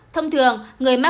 thông thường người mắc